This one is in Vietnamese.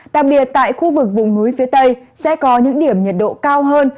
đặc biệt tại khu vực vùng núi phía tây sẽ có những điểm nhiệt độ cao hơn